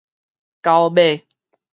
九尾